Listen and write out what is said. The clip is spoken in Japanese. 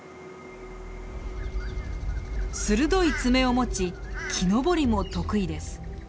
鋭い爪を持ち木登りも得意です。